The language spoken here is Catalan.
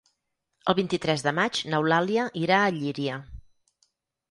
El vint-i-tres de maig n'Eulàlia irà a Llíria.